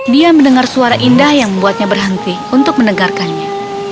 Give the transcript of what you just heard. dia mendengar suara indah yang membuatnya berhenti untuk mendengarkannya